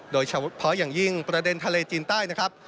โดยเฉพาะอย่างยิ่งประเด็นทะเลจีนใต้นะครับ